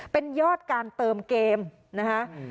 เป็นยอดการเติมเกมนะคะ